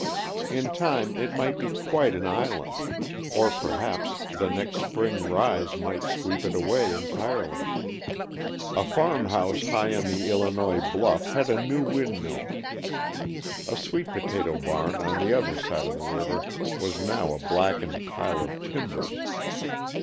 In time it might be quite an island, or perhaps the next spring "rise" might sweep it away entirely. A farm house high on the Illinois bluff had a new windmill. A sweet potato bam on the other side of the river was now a blackened pile of timbers.